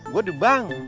gue di bank